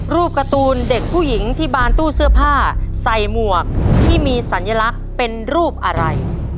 การ์ตูนเด็กผู้หญิงที่บานตู้เสื้อผ้าใส่หมวกที่มีสัญลักษณ์เป็นรูปอะไร